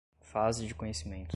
fase de conhecimento